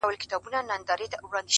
رقیبي سترګي وینمه په کور کي د مُغان،